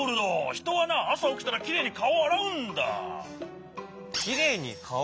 ひとはなあさおきたらきれいにかおをあらうんだ。